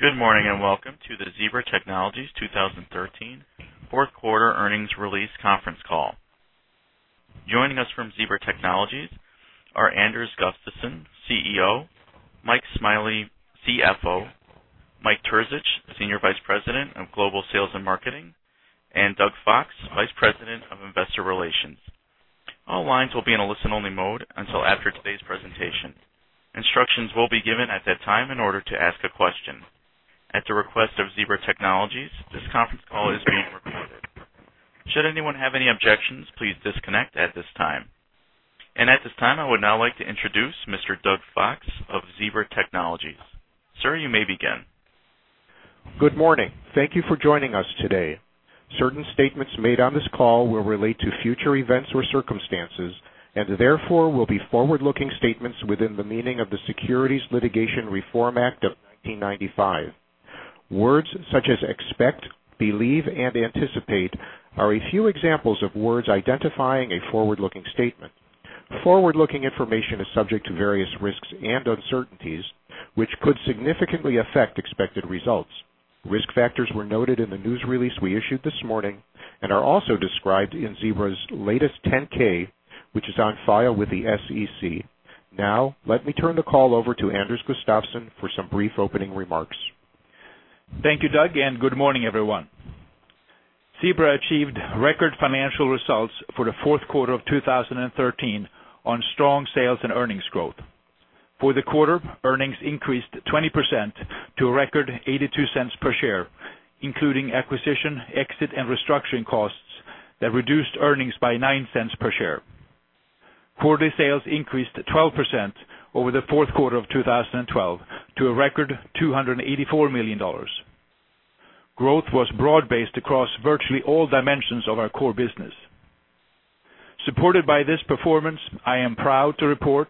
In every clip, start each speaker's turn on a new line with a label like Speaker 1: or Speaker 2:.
Speaker 1: Good morning, and welcome to the Zebra Technologies 2013 fourth quarter earnings release conference call. Joining us from Zebra Technologies are Anders Gustafsson, CEO, Mike Smiley, CFO, Mike Terzich, Senior Vice President of Global Sales and Marketing, and Doug Fox, Vice President of Investor Relations. All lines will be in a listen-only mode until after today's presentation. Instructions will be given at that time in order to ask a question. At the request of Zebra Technologies, this conference call is being recorded. Should anyone have any objections, please disconnect at this time. At this time, I would now like to introduce Mr. Doug Fox of Zebra Technologies. Sir, you may begin.
Speaker 2: Good morning. Thank you for joining us today. Certain statements made on this call will relate to future events or circumstances, and therefore will be forward-looking statements within the meaning of the Securities Litigation Reform Act of 1995. Words such as expect, believe, and anticipate are a few examples of words identifying a forward-looking statement. Forward-looking information is subject to various risks and uncertainties, which could significantly affect expected results. Risk factors were noted in the news release we issued this morning and are also described in Zebra's latest 10-K, which is on file with the SEC. Now, let me turn the call over to Anders Gustafsson for some brief opening remarks.
Speaker 3: Thank you, Doug, and good morning, everyone. Zebra achieved record financial results for the fourth quarter of 2013 on strong sales and earnings growth. For the quarter, earnings increased 20% to a record $0.82 per share, including acquisition, exit, and restructuring costs that reduced earnings by $0.09 per share. Quarterly sales increased 12% over the fourth quarter of 2012 to a record $284 million. Growth was broad-based across virtually all dimensions of our core business. Supported by this performance, I am proud to report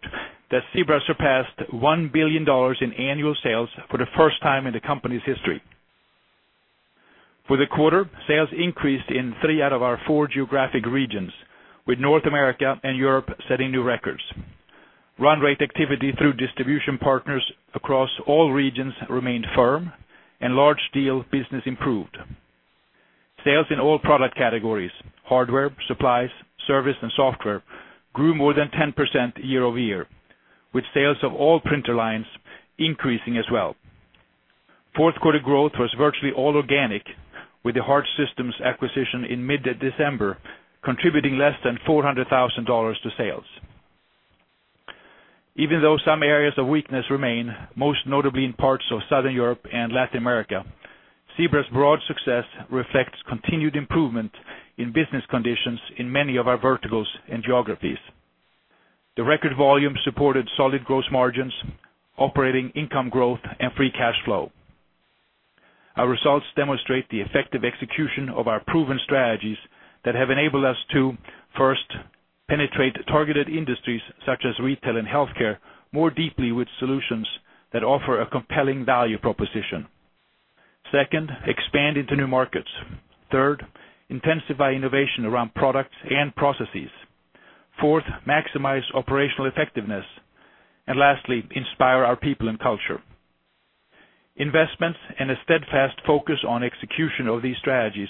Speaker 3: that Zebra surpassed $1 billion in annual sales for the first time in the company's history. For the quarter, sales increased in three out of our four geographic regions, with North America and Europe setting new records. Run rate activity through distribution partners across all regions remained firm and large deal business improved. Sales in all product categories, hardware, supplies, service, and software, grew more than 10% year-over-year, with sales of all printer lines increasing as well. Fourth quarter growth was virtually all organic, with the Hart Systems acquisition in mid-December, contributing less than $400,000 to sales. Even though some areas of weakness remain, most notably in parts of Southern Europe and Latin America, Zebra's broad success reflects continued improvement in business conditions in many of our verticals and geographies. The record volume supported solid gross margins, operating income growth, and free cash flow. Our results demonstrate the effective execution of our proven strategies that have enabled us to, first, penetrate targeted industries such as retail and healthcare, more deeply with solutions that offer a compelling value proposition. Second, expand into new markets. Third, intensify innovation around products and processes. Fourth, maximize operational effectiveness. And lastly, inspire our people and culture. Investments and a steadfast focus on execution of these strategies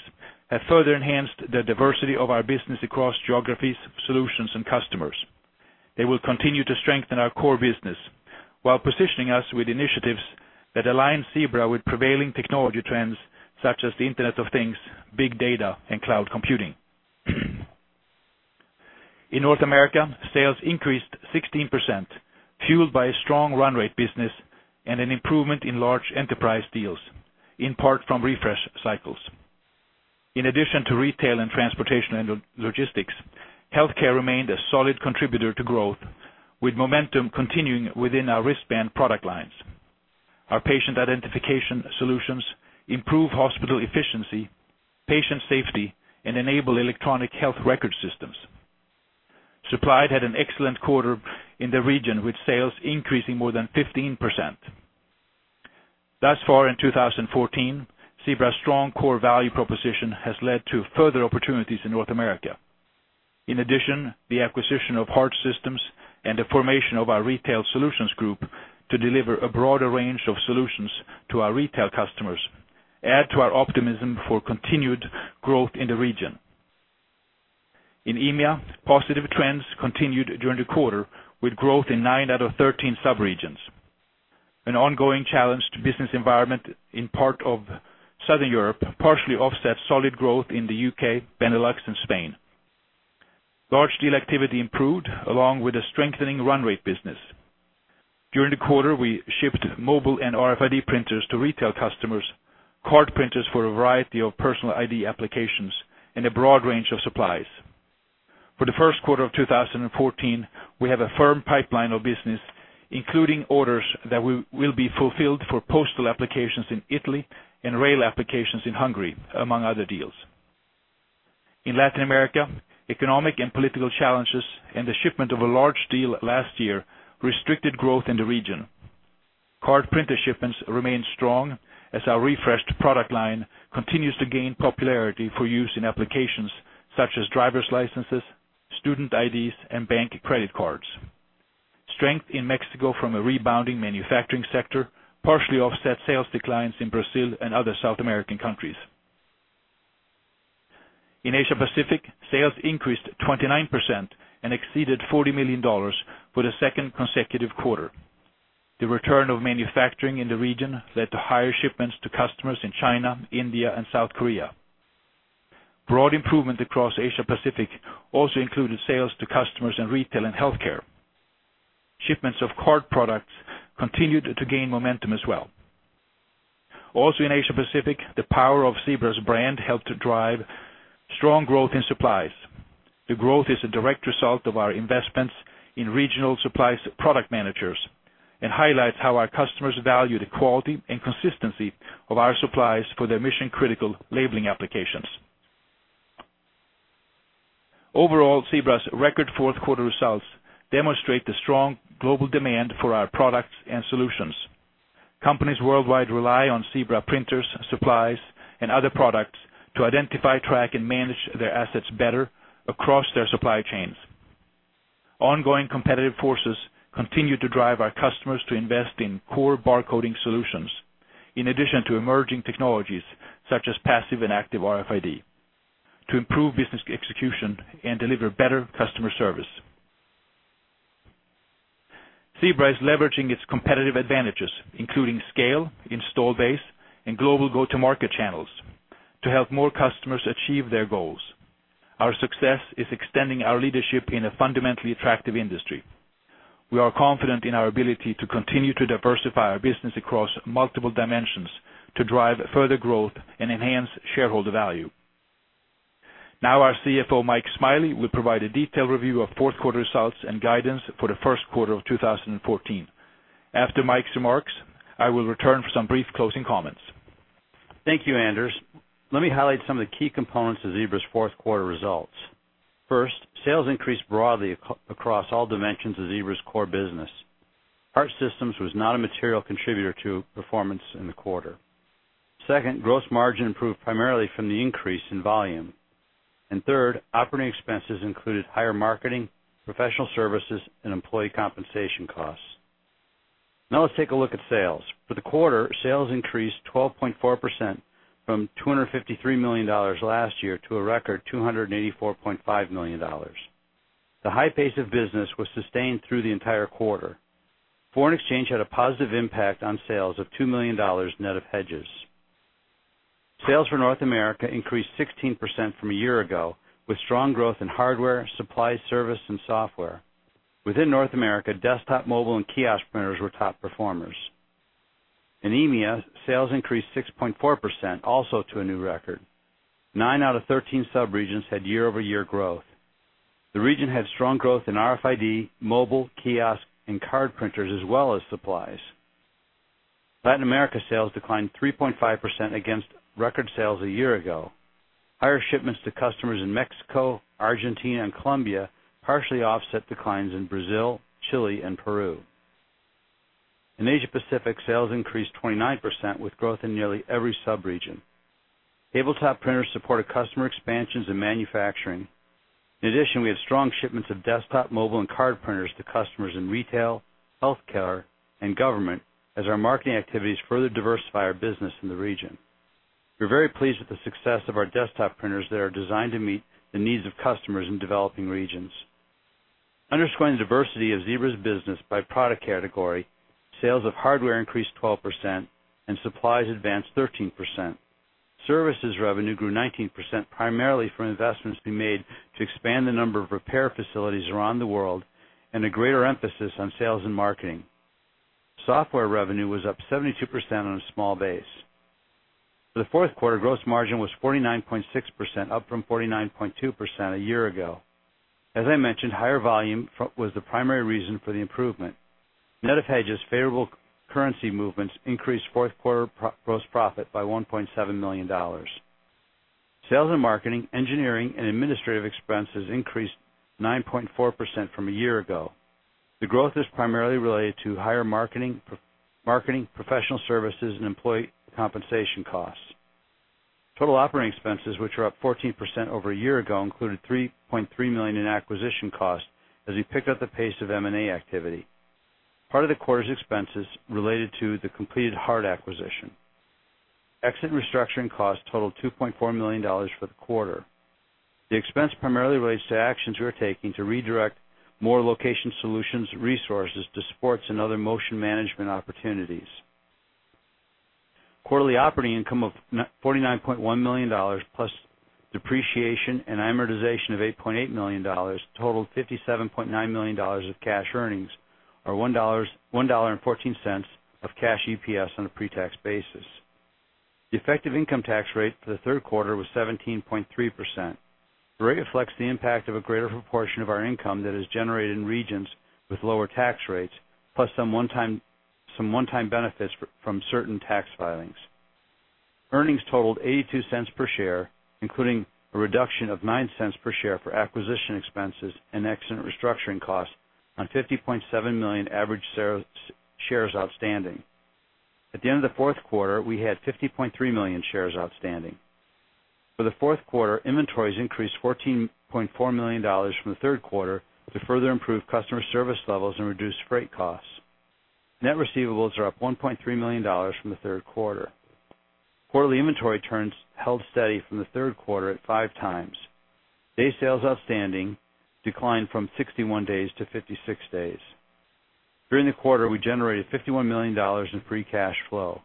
Speaker 3: have further enhanced the diversity of our business across geographies, solutions, and customers. They will continue to strengthen our core business while positioning us with initiatives that align Zebra with prevailing technology trends such as the Internet of Things, big data, and cloud computing. In North America, sales increased 16%, fueled by a strong run rate business and an improvement in large enterprise deals, in part from refresh cycles. In addition to retail and transportation and logistics, healthcare remained a solid contributor to growth, with momentum continuing within our wristband product lines. Our patient identification solutions improve hospital efficiency, patient safety, and enable electronic health record systems. Supplies had an excellent quarter in the region, with sales increasing more than 15%. Thus far, in 2014, Zebra's strong core value proposition has led to further opportunities in North America. In addition, the acquisition of Hart Systems and the formation of our retail solutions group to deliver a broader range of solutions to our retail customers add to our optimism for continued growth in the region. In EMEA, positive trends continued during the quarter, with growth in 9 out of 13 subregions. An ongoing challenge to business environment in part of Southern Europe, partially offset solid growth in the U.K., Benelux, and Spain. Large deal activity improved, along with a strengthening run rate business. During the quarter, we shipped mobile and RFID printers to retail customers, card printers for a variety of personal ID applications, and a broad range of supplies. For the first quarter of 2014, we have a firm pipeline of business, including orders that we will be fulfilled for postal applications in Italy and rail applications in Hungary, among other deals. In Latin America, economic and political challenges and the shipment of a large deal last year restricted growth in the region. Card printer shipments remained strong as our refreshed product line continues to gain popularity for use in applications such as driver's licenses, student IDs, and bank credit cards. Strength in Mexico from a rebounding manufacturing sector partially offset sales declines in Brazil and other South American countries. In Asia Pacific, sales increased 29% and exceeded $40 million for the second consecutive quarter. The return of manufacturing in the region led to higher shipments to customers in China, India, and South Korea. Broad improvement across Asia Pacific also included sales to customers in retail and healthcare. Shipments of card products continued to gain momentum as well. Also, in Asia Pacific, the power of Zebra's brand helped to drive strong growth in supplies. The growth is a direct result of our investments in regional supplies, product managers, and highlights how our customers value the quality and consistency of our supplies for their mission-critical labeling applications. Overall, Zebra's record fourth quarter results demonstrate the strong global demand for our products and solutions. Companies worldwide rely on Zebra printers, supplies, and other products to identify, track, and manage their assets better across their supply chains. Ongoing competitive forces continue to drive our customers to invest in core bar coding solutions, in addition to emerging technologies such as passive and active RFID, to improve business execution and deliver better customer service. Zebra is leveraging its competitive advantages, including scale, install base, and global go-to-market channels, to help more customers achieve their goals. Our success is extending our leadership in a fundamentally attractive industry. We are confident in our ability to continue to diversify our business across multiple dimensions to drive further growth and enhance shareholder value. Now, our CFO, Mike Smiley, will provide a detailed review of fourth quarter results and guidance for the first quarter of 2014. After Mike's remarks, I will return for some brief closing comments.
Speaker 4: Thank you, Anders. Let me highlight some of the key components of Zebra's fourth quarter results. First, sales increased broadly across all dimensions of Zebra's core business. Hart Systems was not a material contributor to performance in the quarter. Second, gross margin improved primarily from the increase in volume. And third, operating expenses included higher marketing, professional services, and employee compensation costs. Now, let's take a look at sales. For the quarter, sales increased 12.4% from $253 million last year to a record $284.5 million. The high pace of business was sustained through the entire quarter. Foreign exchange had a positive impact on sales of $2 million, net of hedges. Sales for North America increased 16% from a year ago, with strong growth in hardware, supply, service, and software. Within North America, desktop, mobile, and kiosk printers were top performers. In EMEA, sales increased 6.4%, also to a new record. 9 out of 13 sub-regions had year-over-year growth. The region had strong growth in RFID, mobile, kiosk, and card printers, as well as supplies. Latin America sales declined 3.5% against record sales a year ago. Higher shipments to customers in Mexico, Argentina, and Colombia partially offset declines in Brazil, Chile, and Peru. In Asia Pacific, sales increased 29%, with growth in nearly every sub-region. Tabletop printers supported customer expansions and manufacturing. In addition, we have strong shipments of desktop, mobile, and card printers to customers in retail, healthcare, and government, as our marketing activities further diversify our business in the region. We're very pleased with the success of our desktop printers that are designed to meet the needs of customers in developing regions. Underscoring the diversity of Zebra's business by product category, sales of hardware increased 12% and supplies advanced 13%. Services revenue grew 19%, primarily from investments we made to expand the number of repair facilities around the world and a greater emphasis on sales and marketing. Software revenue was up 72% on a small base. For the fourth quarter, gross margin was 49.6%, up from 49.2% a year ago. As I mentioned, higher volume was the primary reason for the improvement. Net of hedges, favorable currency movements increased fourth quarter gross profit by $1.7 million. Sales and marketing, engineering, and administrative expenses increased 9.4% from a year ago. The growth is primarily related to higher marketing, professional services, and employee compensation costs. Total operating expenses, which are up 14% over a year ago, included $3.3 million in acquisition costs as we picked up the pace of M&A activity. Part of the quarter's expenses related to the completed Hart acquisition. Exit restructuring costs totaled $2.4 million for the quarter. The expense primarily relates to actions we are taking to redirect more location solutions resources to sports and other motion management opportunities. Quarterly operating income of $49.1 million, plus depreciation and amortization of $8.8 million, totaled $57.9 million of cash earnings, or $1.14 of cash EPS on a pre-tax basis. The effective income tax rate for the third quarter was 17.3 %. The rate reflects the impact of a greater proportion of our income that is generated in regions with lower tax rates, plus some one-time benefits from certain tax filings. Earnings totaled $0.82 per share, including a reduction of $0.09 per share for acquisition expenses and exit restructuring costs on 50.7 million average shares outstanding. At the end of the fourth quarter, we had 50.3 million shares outstanding. For the fourth quarter, inventories increased $14.4 million from the third quarter to further improve customer service levels and reduce freight costs. Net receivables are up $1.3 million from the third quarter. Quarterly inventory turns held steady from the third quarter at 5 times. Days sales outstanding declined from 61 days to 56 days. During the quarter, we generated $51 million in free cash flow.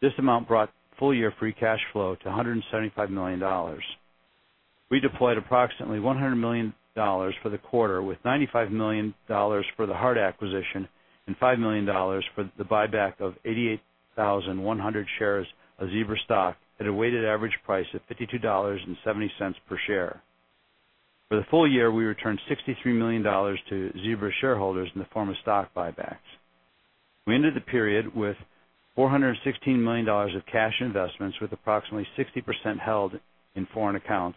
Speaker 4: This amount brought full year free cash flow to $175 million. We deployed approximately $100 million for the quarter, with $95 million for the Hart acquisition and $5 million for the buyback of 88,100 shares of Zebra stock at a weighted average price of $52.70 per share. For the full year, we returned $63 million to Zebra shareholders in the form of stock buybacks. We ended the period with $416 million of cash investments, with approximately 60% held in foreign accounts,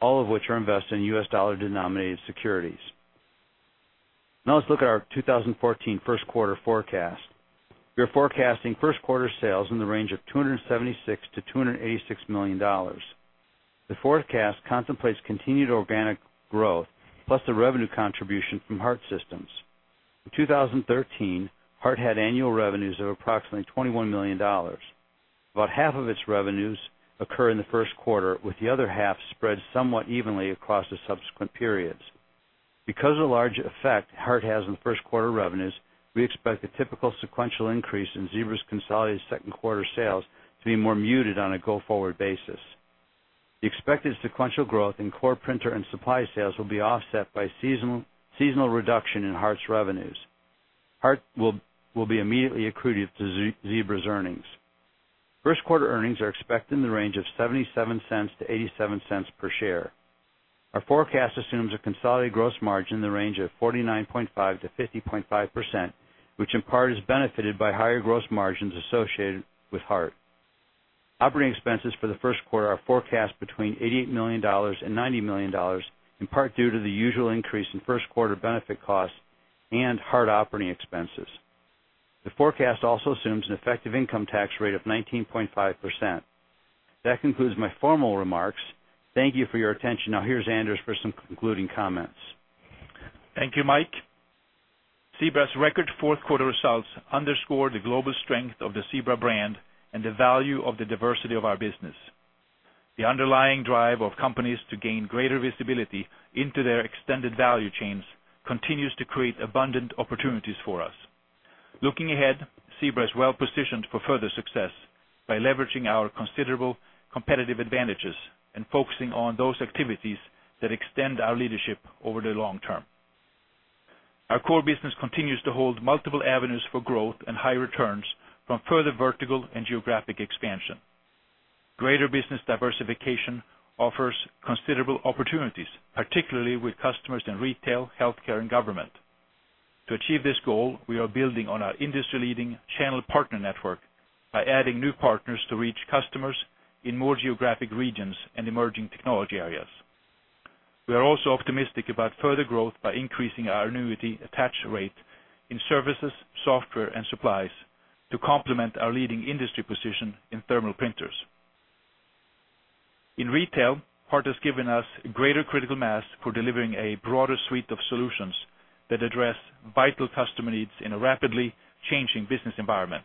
Speaker 4: all of which are invested in US dollar-denominated securities. Now, let's look at our 2014 first quarter forecast. We are forecasting first quarter sales in the range of $276 million-$286 million. The forecast contemplates continued organic growth, plus the revenue contribution from Hart Systems. In 2013, Hart had annual revenues of approximately $21 million. About half of its revenues occur in the first quarter, with the other half spread somewhat evenly across the subsequent periods. Because of the large effect Hart has on first quarter revenues, we expect the typical sequential increase in Zebra's consolidated second quarter sales to be more muted on a go-forward basis. The expected sequential growth in core printer and supply sales will be offset by seasonal reduction in Hart's revenues. Hart will be immediately accretive to Zebra's earnings. First quarter earnings are expected in the range of $0.77-$0.87 per share. Our forecast assumes a consolidated gross margin in the range of 49.5%-50.5%, which in part, is benefited by higher gross margins associated with Hart. Operating expenses for the first quarter are forecast between $88 million and $90 million, in part due to the usual increase in first quarter benefit costs and Hart operating expenses. The forecast also assumes an effective income tax rate of 19.5%. That concludes my formal remarks. Thank you for your attention. Now, here's Anders for some concluding comments.
Speaker 3: Thank you, Mike. Zebra's record fourth quarter results underscore the global strength of the Zebra brand and the value of the diversity of our business. The underlying drive of companies to gain greater visibility into their extended value chains continues to create abundant opportunities for us. Looking ahead, Zebra is well positioned for further success by leveraging our considerable competitive advantages and focusing on those activities that extend our leadership over the long term. Our core business continues to hold multiple avenues for growth and high returns from further vertical and geographic expansion. Greater business diversification offers considerable opportunities, particularly with customers in retail, healthcare, and government. To achieve this goal, we are building on our industry-leading channel partner network by adding new partners to reach customers in more geographic regions and emerging technology areas. We are also optimistic about further growth by increasing our annuity attach rate in services, software, and supplies to complement our leading industry position in thermal printers. In retail, Hart has given us greater critical mass for delivering a broader suite of solutions that address vital customer needs in a rapidly changing business environment.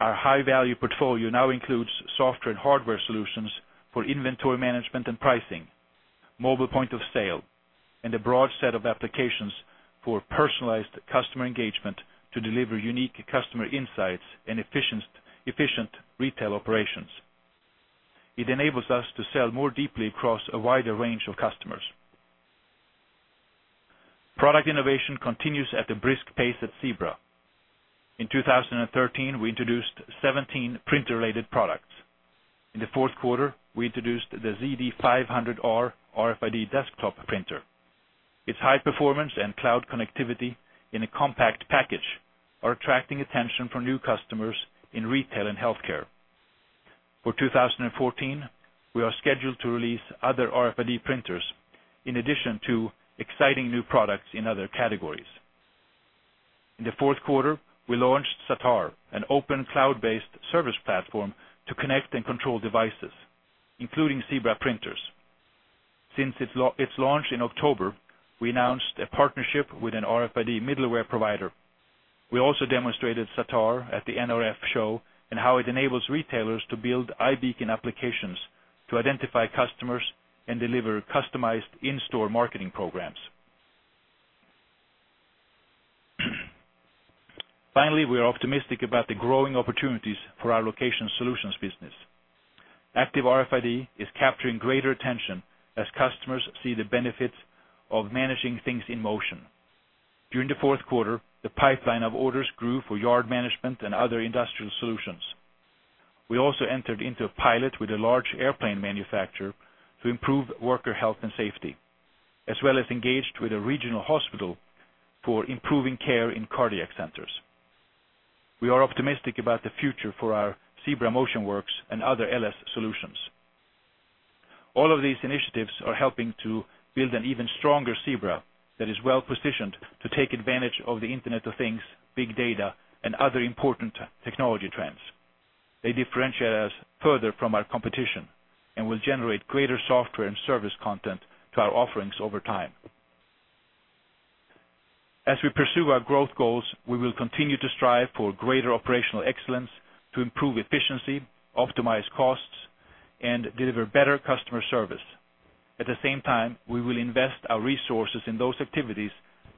Speaker 3: Our high-value portfolio now includes software and hardware solutions for inventory management and pricing, mobile point of sale, and a broad set of applications for personalized customer engagement to deliver unique customer insights and efficient retail operations. It enables us to sell more deeply across a wider range of customers. Product innovation continues at a brisk pace at Zebra. In 2013, we introduced 17 printer-related products. In the fourth quarter, we introduced the ZD500R RFID desktop printer. Its high performance and cloud connectivity in a compact package are attracting attention from new customers in retail and healthcare. For 2014, we are scheduled to release other RFID printers, in addition to exciting new products in other categories. In the fourth quarter, we launched Zatar, an open, cloud-based service platform to connect and control devices, including Zebra printers. Since its launch in October, we announced a partnership with an RFID middleware provider. We also demonstrated Zatar at the NRF show and how it enables retailers to build iBeacon applications to identify customers and deliver customized in-store marketing programs. Finally, we are optimistic about the growing opportunities for our location solutions business. Active RFID is capturing greater attention as customers see the benefits of managing things in motion. During the fourth quarter, the pipeline of orders grew for yard management and other industrial solutions. We also entered into a pilot with a large airplane manufacturer to improve worker health and safety, as well as engaged with a regional hospital for improving care in cardiac centers. We are optimistic about the future for our Zebra MotionWorks and other LS solutions. All of these initiatives are helping to build an even stronger Zebra that is well-positioned to take advantage of the Internet of Things, big data, and other important technology trends. They differentiate us further from our competition and will generate greater software and service content to our offerings over time. As we pursue our growth goals, we will continue to strive for greater operational excellence to improve efficiency, optimize costs, and deliver better customer service. At the same time, we will invest our resources in those activities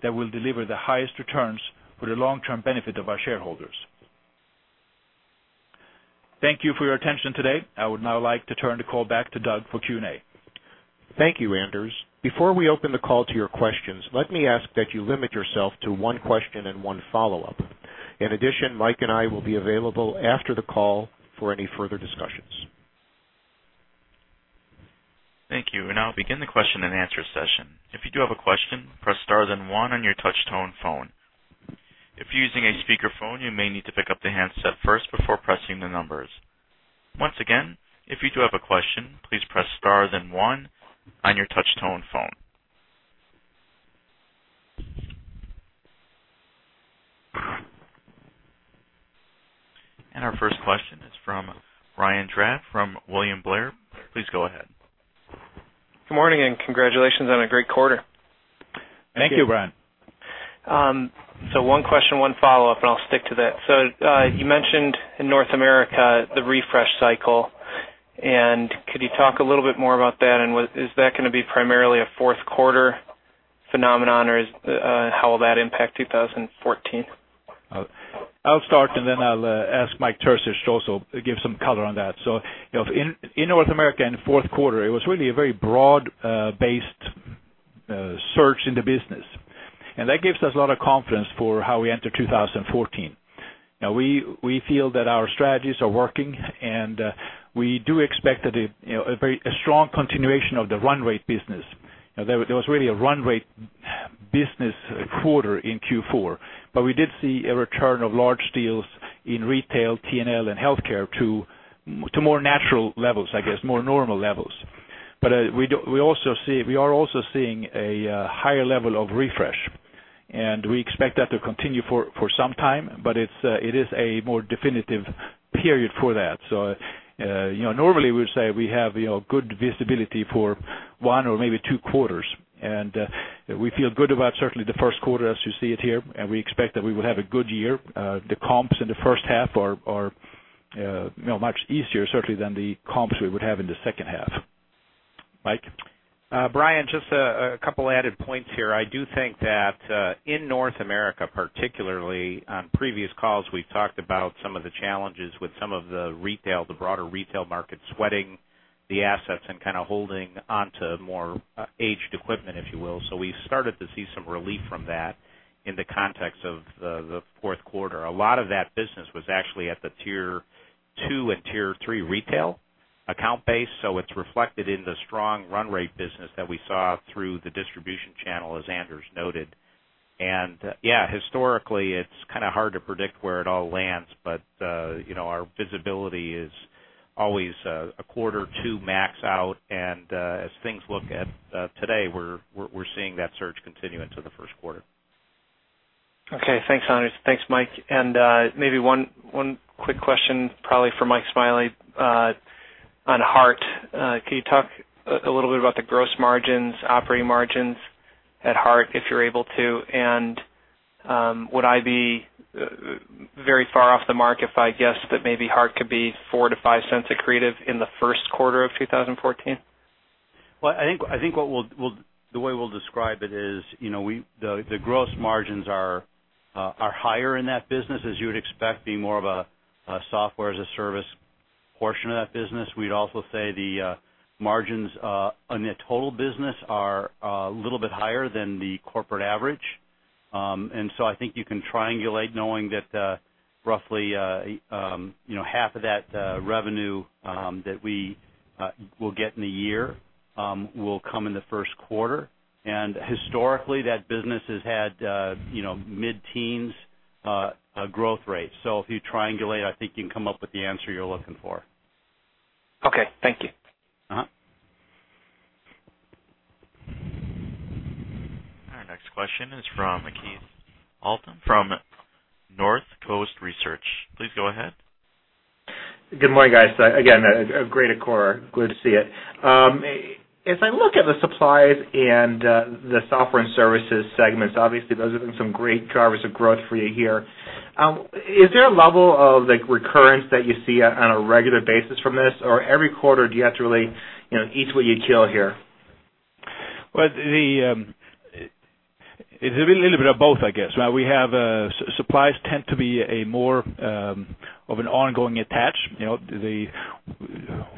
Speaker 3: that will deliver the highest returns for the long-term benefit of our shareholders. Thank you for your attention today. I would now like to turn the call back to Doug for Q&A.
Speaker 2: Thank you, Anders. Before we open the call to your questions, let me ask that you limit yourself to one question and one follow-up. In addition, Mike and I will be available after the call for any further discussions.
Speaker 1: Thank you. We now begin the question-and-answer session. If you do have a question, press star, then one on your touchtone phone. If you're using a speakerphone, you may need to pick up the handset first before pressing the numbers. Once again, if you do have a question, please press star, then one on your touchtone phone. Our first question is from Brian Drab from William Blair. Please go ahead.
Speaker 5: Good morning, and congratulations on a great quarter.
Speaker 3: Thank you, Brian.
Speaker 5: One question, one follow-up, and I'll stick to that. You mentioned in North America the refresh cycle, and could you talk a little bit more about that? And what is that going to be primarily a fourth quarter phenomenon, or is how will that impact 2014?
Speaker 3: I'll start, and then I'll ask Mike Terzich to also give some color on that. So, you know, in North America, in the fourth quarter, it was really a very broad-based search in the business, and that gives us a lot of confidence for how we enter 2014. Now, we feel that our strategies are working, and we do expect a very strong continuation of the run rate business. Now, there was really a run rate business quarter in Q4, but we did see a return of large deals in retail, T&L, and healthcare to more natural levels, I guess, more normal levels. But, we also see, we are also seeing a higher level of refresh, and we expect that to continue for some time, but it is a more definitive period for that. So, you know, normally, we'd say we have, you know, good visibility for one or maybe two quarters, and we feel good about certainly the first quarter as you see it here, and we expect that we will have a good year. The comps in the first half are, you know, much easier, certainly than the comps we would have in the second half. Mike?
Speaker 6: Brian, just a couple added points here. I do think that in North America, particularly, on previous calls, we've talked about some of the challenges with some of the retail, the broader retail market, sweating the assets and kind of holding onto more aged equipment, if you will. So we started to see some relief from that in the context of the fourth quarter. A lot of that business was actually at the tier two and tier three retail account base, so it's reflected in the strong run rate business that we saw through the distribution channel, as Anders noted. Yeah, historically, it's kind of hard to predict where it all lands, but you know, our visibility is always a quarter or two max out, and as things look at today, we're seeing that surge continue into the first quarter.
Speaker 5: Okay, thanks, Anders. Thanks, Mike. And, maybe one quick question, probably for Mike Smiley, on Hart. Can you talk a little bit about the gross margins, operating margins at Hart, if you're able to? And, would I be very far off the mark if I guessed that maybe Hart could be $0.04-$0.05 accretive in the first quarter of 2014?
Speaker 4: Well, I think the way we'll describe it is, you know, the gross margins are higher in that business, as you would expect, being more of a software as a service portion of that business. We'd also say the margins on the total business are a little bit higher than the corporate average. And so I think you can triangulate knowing that, roughly, you know, half of that revenue that we will get in a year will come in the first quarter. And historically, that business has had, you know, mid-teens growth rate. So if you triangulate, I think you can come up with the answer you're looking for.
Speaker 5: Okay. Thank you.
Speaker 6: Uh-huh.
Speaker 1: Our next question is from Keith Housum from Northcoast Research. Please go ahead.
Speaker 7: Good morning, guys. Again, a great quarter. Good to see it. As I look at the supplies and the software and services segments, obviously, those have been some great drivers of growth for you here. Is there a level of, like, recurrence that you see on a regular basis from this? Or every quarter, do you have to really, you know, each way you kill here?
Speaker 3: Well, the, it's a little bit of both, I guess. We have, supplies tend to be a more, of an ongoing attach. You know, the,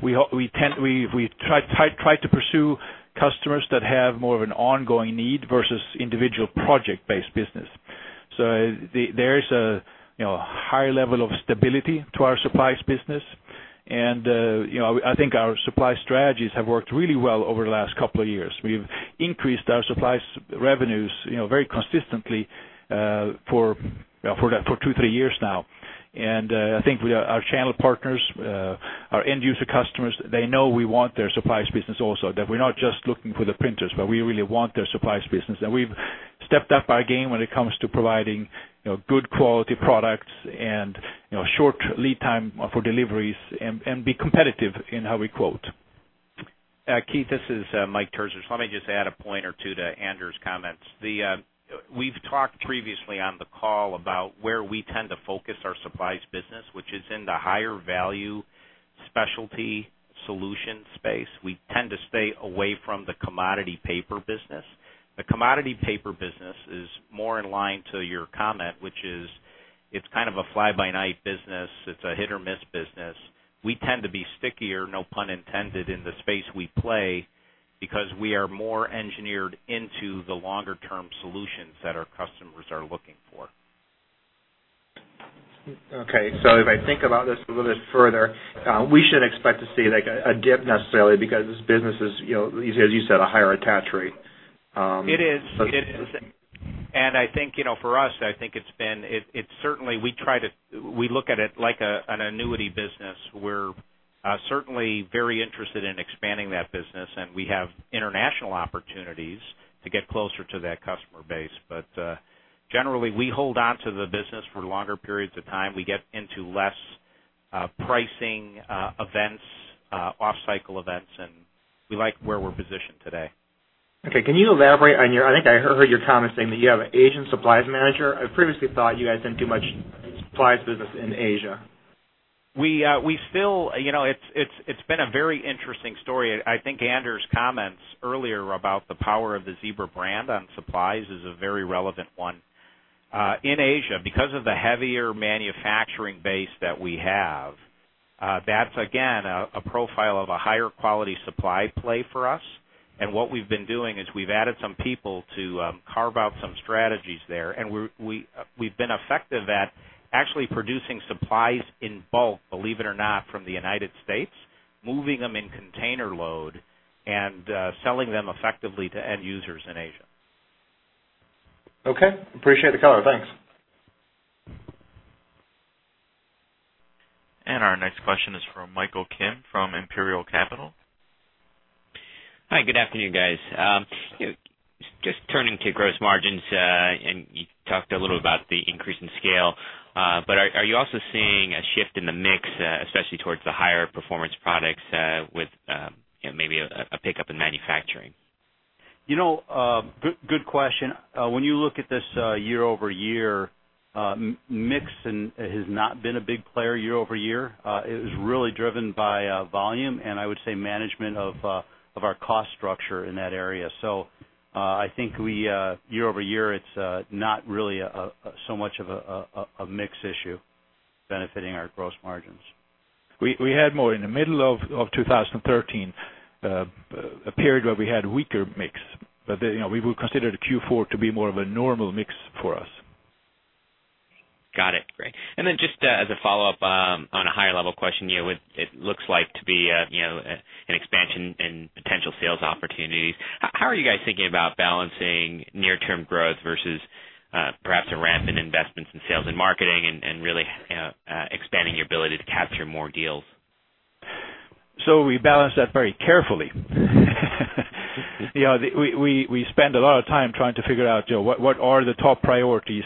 Speaker 3: we tend, we try to pursue customers that have more of an ongoing need versus individual project-based business. So the, there is a, you know, higher level of stability to our supplies business. And, you know, I think our supply strategies have worked really well over the last couple of years. We've increased our supplies revenues, you know, very consistently, for 2, 3 years now. And, I think we, our channel partners, our end user customers, they know we want their supplies business also, that we're not just looking for the printers, but we really want their supplies business. We've stepped up our game when it comes to providing, you know, good quality products and, you know, short lead time for deliveries and, and be competitive in how we quote.
Speaker 6: Keith, this is, Mike Terzich. So let me just add a point or two to Anders' comments. The, we've talked previously on the call about where we tend to focus our supplies business, which is in the higher value specialty solution space. We tend to stay away from the commodity paper business. The commodity paper business is more in line to your comment, which is, it's kind of a fly-by-night business. It's a hit-or-miss business. We tend to be stickier, no pun intended, in the space we play, because we are more engineered into the longer term solutions that our customers are looking for.
Speaker 7: Okay, so if I think about this a little bit further, we shouldn't expect to see, like, a dip necessarily, because this business is, you know, as you said, a higher attach rate,
Speaker 6: It is. It is. And I think, you know, for us, I think it's been. We look at it like an annuity business. We're certainly very interested in expanding that business, and we have international opportunities to get closer to that customer base. But generally, we hold on to the business for longer periods of time. We get into less pricing events, off-cycle events, and we like where we're positioned today.
Speaker 7: Okay. Can you elaborate on your I think I heard your comment saying that you have an Asian supplies manager? I previously thought you guys didn't do much supplies business in Asia.
Speaker 6: We still, you know, it's been a very interesting story. I think Anders' comments earlier about the power of the Zebra brand on supplies is a very relevant one. In Asia, because of the heavier manufacturing base that we have, that's again a profile of a higher quality supply play for us. And what we've been doing is we've added some people to carve out some strategies there, and we've been effective at actually producing supplies in bulk, believe it or not, from the United States, moving them in container load and selling them effectively to end users in Asia.
Speaker 7: Okay. Appreciate the color. Thanks.
Speaker 1: Our next question is from Michael Kim, from Imperial Capital.
Speaker 8: Hi, good afternoon, guys. Just turning to gross margins, and you talked a little about the increase in scale, but are you also seeing a shift in the mix, especially towards the higher performance products, with you know, maybe a pickup in manufacturing?
Speaker 4: You know, good, good question. When you look at this, year-over-year, mix has not been a big player year-over-year. It is really driven by volume, and I would say management of our cost structure in that area. So, I think we, year-over-year, it's not really a mix issue benefiting our gross margins.
Speaker 3: We had more in the middle of 2013, a period where we had weaker mix, but, you know, we would consider the Q4 to be more of a normal mix for us.
Speaker 8: Got it. Great. And then just, as a follow-up, on a higher level question, you know, it looks like to be a, you know, an expansion in potential sales opportunities. How are you guys thinking about balancing near-term growth versus, perhaps a ramp in investments in sales and marketing and, really, expanding your ability to capture more deals?
Speaker 3: So we balance that very carefully. You know, we spend a lot of time trying to figure out, you know, what are the top priorities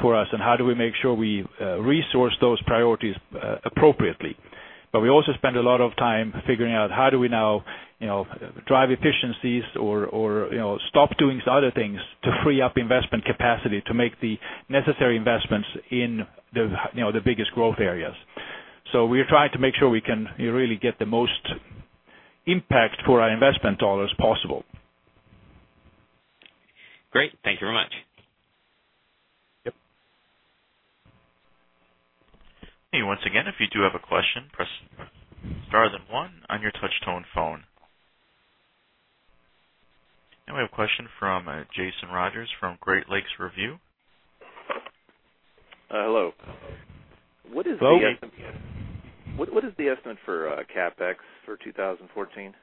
Speaker 3: for us, and how do we make sure we resource those priorities appropriately. But we also spend a lot of time figuring out how do we now, you know, drive efficiencies or, you know, stop doing some other things to free up investment capacity to make the necessary investments in the, you know, the biggest growth areas. So we're trying to make sure we can really get the most impact for our investment dollars possible.
Speaker 8: Great. Thank you very much.
Speaker 3: Yep.
Speaker 1: And once again, if you do have a question, press star then one on your touch tone phone. Now we have a question from Jason Rogers from Great Lakes Review.
Speaker 9: Hello. What is the-
Speaker 3: Go.
Speaker 9: What, what is the estimate for CapEx for 2014?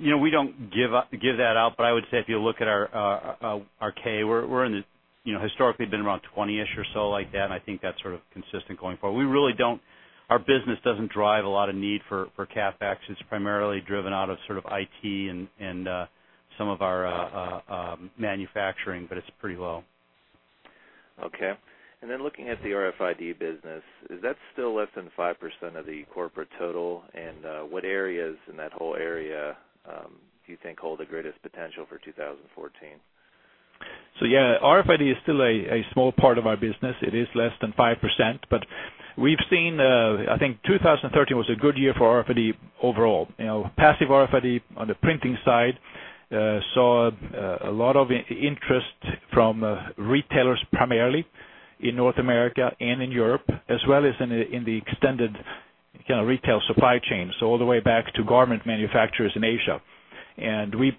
Speaker 4: You know, we don't give that out, but I would say if you look at our K, we're in the, you know, historically been around 20-ish or so like that, and I think that's sort of consistent going forward. Our business doesn't drive a lot of need for CapEx. It's primarily driven out of sort of IT and some of our manufacturing, but it's pretty low.
Speaker 9: Okay. And then looking at the RFID business, is that still less than 5% of the corporate total? And what areas in that whole area do you think hold the greatest potential for 2014?
Speaker 3: So yeah, RFID is still a small part of our business. It is less than 5%, but we've seen. I think 2013 was a good year for RFID overall. You know, passive RFID on the printing side saw a lot of interest from retailers, primarily in North America and in Europe, as well as in the extended, you know, retail supply chain. So all the way back to garment manufacturers in Asia. And we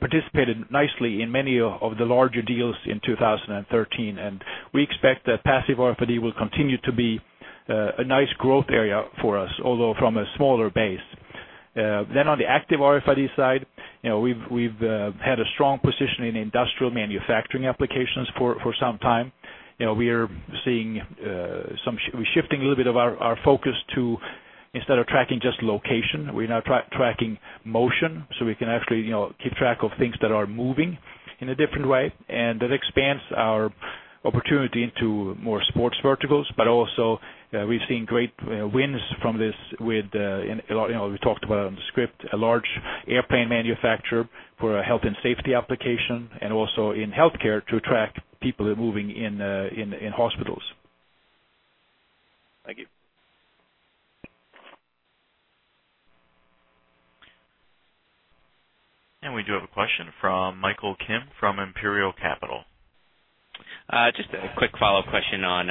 Speaker 3: participated nicely in many of the larger deals in 2013, and we expect that passive RFID will continue to be a nice growth area for us, although from a smaller base. Then on the active RFID side, you know, we've had a strong position in industrial manufacturing applications for some time. You know, we are seeing some-- we're shifting a little bit of our focus to, instead of tracking just location, we're now tracking motion, so we can actually, you know, keep track of things that are moving in a different way. And that expands our opportunity into more sports verticals. But also, we've seen great wins from this with in a lot, you know, we talked about on the script, a large airplane manufacturer for a health and safety application, and also in healthcare to track people moving in hospitals.
Speaker 9: Thank you.
Speaker 1: We do have a question from Michael Kim, from Imperial Capital.
Speaker 8: Just a quick follow-up question on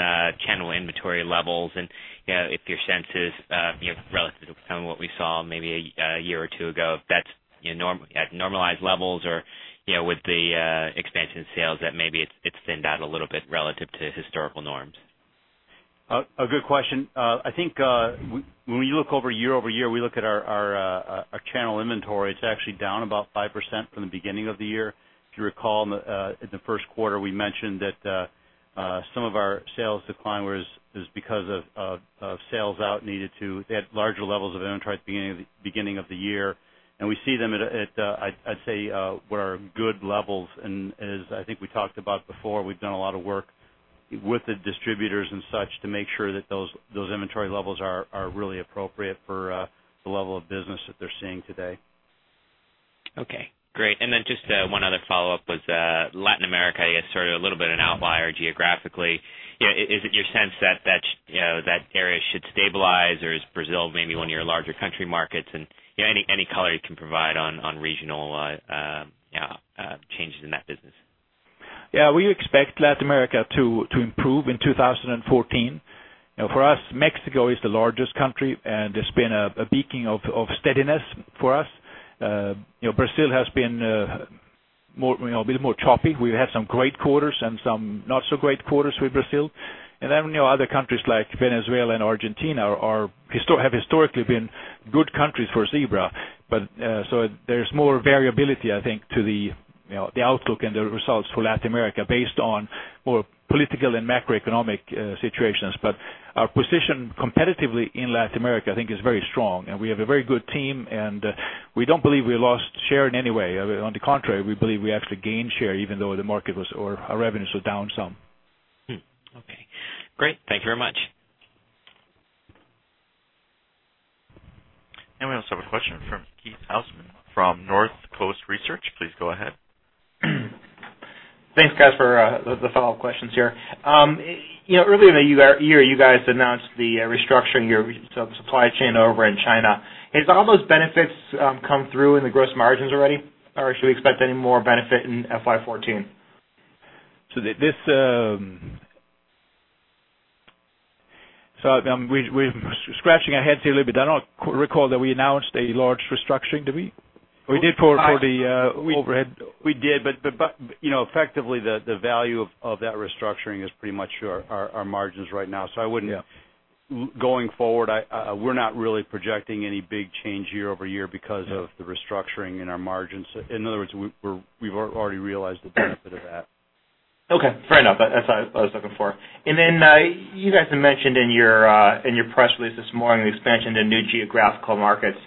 Speaker 8: channel inventory levels. And, you know, if your sense is, you know, relative to kind of what we saw maybe a year or two ago, if that's, you know, normalized levels or, you know, with the expansion sales, that maybe it's thinned out a little bit relative to historical norms?
Speaker 4: A good question. I think, when we look year-over-year, we look at our channel inventory, it's actually down about 5% from the beginning of the year. If you recall, in the first quarter, we mentioned that some of our sales decline was, is because of sales out needed to. They had larger levels of inventory at the beginning of the year, and we see them at a, at, I'd say what are good levels. And as I think we talked about before, we've done a lot of work with the distributors and such to make sure that those inventory levels are really appropriate for the level of business that they're seeing today.
Speaker 8: Okay, great. And then just, one other follow-up was, Latin America is sort of a little bit an outlier geographically. Yeah, is it your sense that, you know, that area should stabilize, or is Brazil maybe one of your larger country markets? And, you know, any color you can provide on regional, changes in that business?
Speaker 3: Yeah, we expect Latin America to improve in 2014. You know, for us, Mexico is the largest country, and there's been a peaking of steadiness for us. You know, Brazil has been more, you know, a bit more choppy. We've had some great quarters and some not so great quarters with Brazil. And then, you know, other countries like Venezuela and Argentina have historically been good countries for Zebra. But, so there's more variability, I think, to the, you know, the outlook and the results for Latin America based on more political and macroeconomic situations. But our position competitively in Latin America, I think, is very strong, and we have a very good team, and we don't believe we lost share in any way. On the contrary, we believe we actually gained share, even though the market was, or our revenues were down some.
Speaker 8: Hmm. Okay, great. Thank you very much.
Speaker 1: We also have a question from Keith Housum from Northcoast Research. Please go ahead.
Speaker 7: Thanks, guys, for the follow-up questions here. You know, earlier in the year, you guys announced the restructuring your supply chain over in China. Has all those benefits come through in the gross margins already, or should we expect any more benefit in FY 2014?
Speaker 3: We're scratching our heads here a little bit. I don't recall that we announced a large restructuring, did we? We did for the overhead.
Speaker 4: We did, but you know, effectively, the value of that restructuring is pretty much our margins right now.
Speaker 3: Yeah.
Speaker 4: So I wouldn't. Going forward, we're not really projecting any big change year-over-year because of the restructuring in our margins. In other words, we've already realized the benefit of that.
Speaker 7: Okay, fair enough. That's what I was looking for. Then, you guys had mentioned in your press release this morning, the expansion into new geographical markets.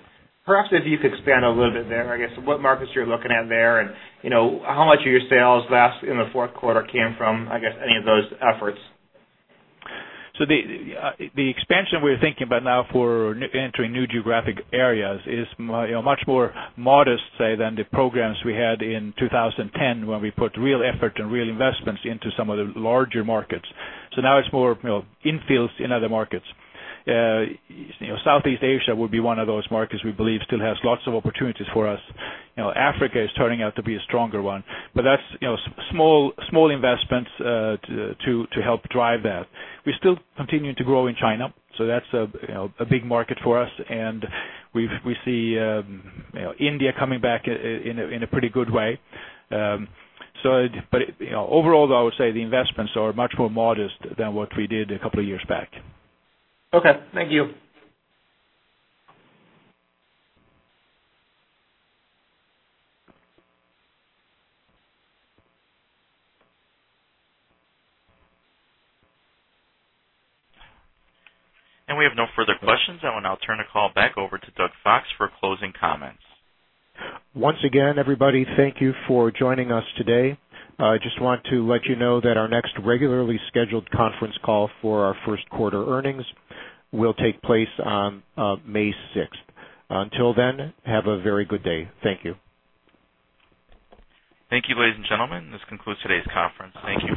Speaker 7: Perhaps if you could expand a little bit there, I guess, what markets you're looking at there, and, you know, how much of your sales last in the fourth quarter came from, I guess, any of those efforts?
Speaker 3: So the expansion we're thinking about now for entering new geographic areas is you know, much more modest, say, than the programs we had in 2010, when we put real effort and real investments into some of the larger markets. So now it's more, you know, infills in other markets. You know, Southeast Asia would be one of those markets we believe still has lots of opportunities for us. You know, Africa is turning out to be a stronger one, but that's you know, small, small investments to help drive that. We're still continuing to grow in China, so that's a you know, a big market for us, and we see you know, India coming back in a in a pretty good way. But, you know, overall, though, I would say the investments are much more modest than what we did a couple of years back.
Speaker 7: Okay, thank you.
Speaker 1: We have no further questions. I will now turn the call back over to Doug Fox for closing comments.
Speaker 2: Once again, everybody, thank you for joining us today. I just want to let you know that our next regularly scheduled conference call for our first quarter earnings will take place on May sixth. Until then, have a very good day. Thank you.
Speaker 1: Thank you, ladies and gentlemen. This concludes today's conference. Thank you.